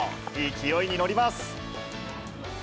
勢いに乗ります。